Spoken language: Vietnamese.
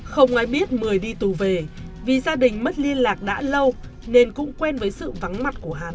không ai biết mười đi tù về vì gia đình mất liên lạc đã lâu nên cũng quen với sự vắng mặt của hắn